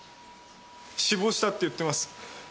死亡したって言ってます。